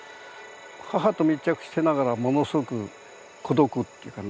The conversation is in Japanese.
母と密着してながらものすごく孤独っていうかな。